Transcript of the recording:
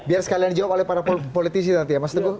biar sekalian dijawab oleh para politisi nanti ya mas teguh